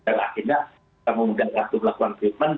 dan akhirnya memudahkan untuk melakukan treatment